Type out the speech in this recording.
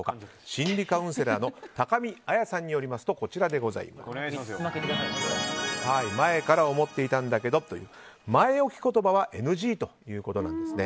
心理カウンセラーの高見綾さんによりますと前から思ってたんだけどという前置き言葉はＮＧということなんです。